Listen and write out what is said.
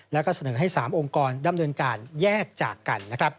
แล้วก็เสนอให้๓องค์กรดำเนินการแยกจากกัน